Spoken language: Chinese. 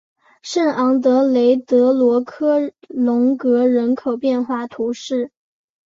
圣昂德雷德罗科龙格人口变化图示